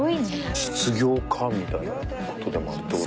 実業家みたいなことでもあるってこと。